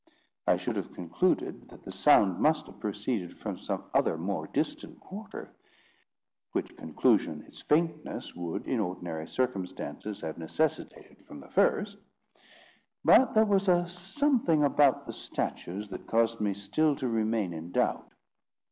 I should have concluded that the sound must have proceeded from some other more distant quarter, which conclusion its faintness would, in ordinary circumstances, have necessitated from the first; but there was a something about the statues that caused me still to remain in doubt.